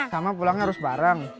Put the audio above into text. tamah pulangnya harus bareng